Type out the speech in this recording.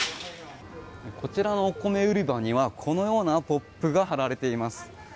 こちらのお米売り場にはこのようなポップが貼られています。